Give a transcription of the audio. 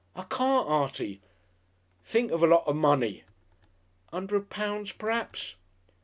"I can't, Artie." "Think of a lot of money!" "A 'undred pounds p'raps?"